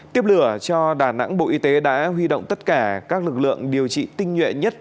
tiếp lửa cho đà nẵng bộ y tế đã huy động tất cả các lực lượng điều trị tinh nhuệ nhất